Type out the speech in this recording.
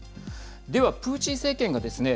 では、プーチン政権がですね